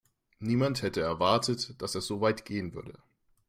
Niemand hätte erwartet, dass er so weit gehen würde.